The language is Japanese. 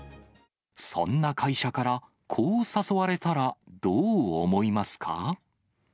そんな会社から、こう誘われたらどう思いますか。